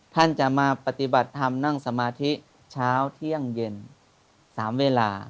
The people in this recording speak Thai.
ท่านจะมาปฏิบัติธรรมนั่งสมาธิเช้าเที่ยงเย็น๓เวลา